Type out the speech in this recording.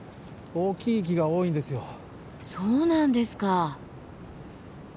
そうなんですか。